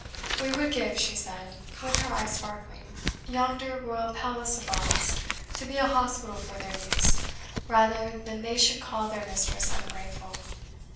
We would give," she said, with her eyes sparkling, "yonder royal palace of ours to be an hospital for their use, rather than they should call their mistress ungrateful.